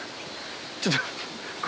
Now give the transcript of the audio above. ちょっと。